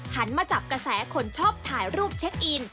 มาจับกระแสคนชอบถ่ายรูปเช็คอิน